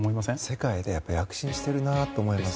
世界で躍進しているなと思います。